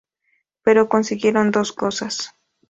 Pero consiguieron dos cosas.